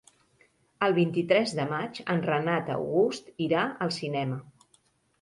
El vint-i-tres de maig en Renat August irà al cinema.